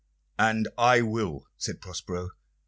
"And I will," said Prospero.